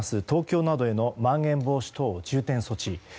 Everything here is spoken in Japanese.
東京などへのまん延防止等重点措置。